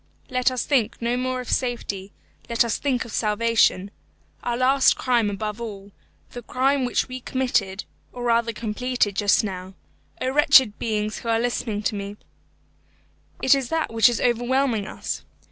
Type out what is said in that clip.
Let us think no more of safety let us think of salvation. Our last crime, above all, the crime which we committed, or rather completed, just now O wretched beings who are listening to me it is that which is overwhelming us.